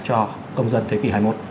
cho công dân thế kỷ hai mươi một